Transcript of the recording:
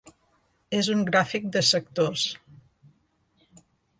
És un gràfic de sectors.